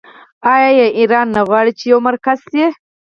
آیا ایران نه غواړي چې یو مرکز شي؟